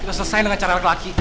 sudah selesai dengan cara laki laki